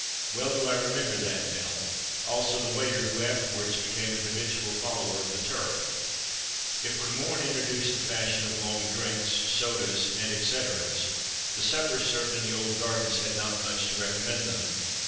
Well do I remember that "mill," also the waiter, who afterwards became an habitual follower of the turf. If Cremorne introduced the fashion of "long drinks," sodas, and et ceteras, the suppers served in the old gardens had not much to recommend them.